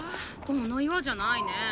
このいわじゃないね。